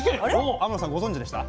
天野さんご存じでした？